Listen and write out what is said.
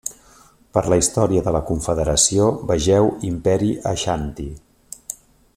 Per la història de la Confederació, vegeu Imperi Aixanti.